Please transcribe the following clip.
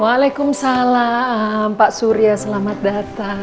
waalaikumsalam pak surya selamat datang